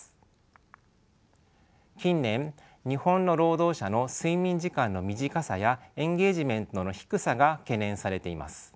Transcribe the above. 近年日本の労働者の睡眠時間の短さやエンゲージメントの低さが懸念されています。